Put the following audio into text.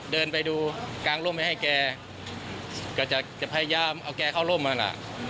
เดินไปดูกางร่มไปให้แกก็จะพยายามเอาแกเข้าร่มมาล่ะ